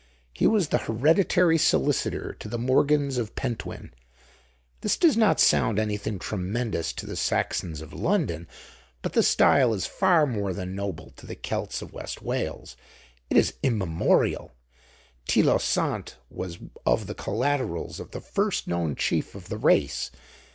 He was the hereditary solicitor to the Morgans of Pentwyn. This does not sound anything tremendous to the Saxons of London; but the style is far more than noble to the Celts of West Wales; it is immemorial; Teilo Sant was of the collaterals of the first known chief of the race.